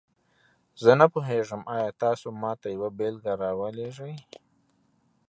زه نه پوهیږم، آیا تاسو ماته یوه بیلګه راولیږئ؟